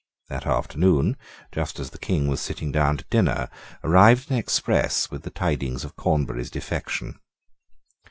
That afternoon, just as the King was sitting down to dinner, arrived an express with the tidings of Cornbury's defection.